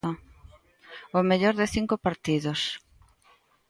O mellor de cinco partidos.